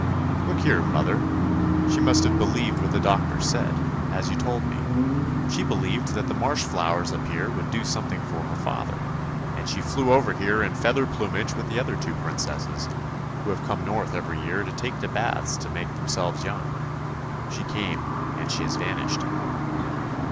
"Look here, mother! She must have believed what the doctor said, as you told me; she believed that the marsh flowers up here would do something for her father, and she flew over here in feather plumage with the other two Princesses, who have to come north every year to take the baths to make them selves young. She came, and she has vanished."